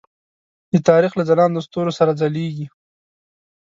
د تاریخ له ځلاندو ستورو سره ځلیږي.